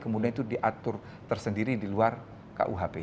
kemudian itu diatur tersendiri di luar kuhp